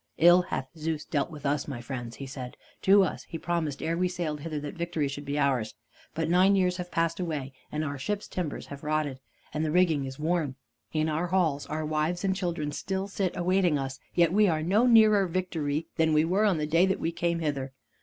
"Ill hath Zeus dealt with us, my friends," he said. "To us he promised ere we sailed hither that victory should be ours. But nine years have passed away, and our ships' timbers have rotted, and the rigging is worn. In our halls our wives and children still sit awaiting us, yet are we no nearer victory than we were on the day that we came hither.